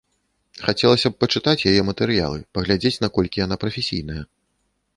Хацелася б пачытаць яе матэрыялы, паглядзець наколькі яна прафесійная.